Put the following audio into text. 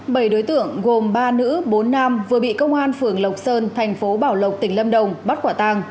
bảy đối tượng gồm ba nữ bốn nam vừa bị công an phường lộc sơn thành phố bảo lộc tỉnh lâm đồng bắt quả tàng